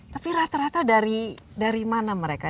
tapi rata rata dari mana mereka